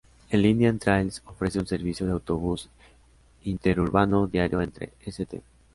El Indian Trails ofrece un servicio de autobús interurbano diario entre St.